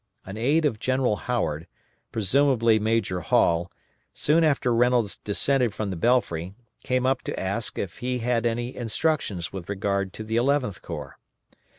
An aide of General Howard presumably Major Hall soon after Reynolds descended from the belfry, came up to ask if he had any instructions with regard to the Eleventh Corps.